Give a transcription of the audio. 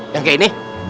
yang kayak ini